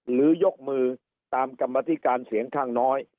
ยกมือตามกรรมธิการเสียงข้างน้อย